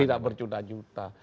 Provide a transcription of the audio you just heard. tidak bercuda juta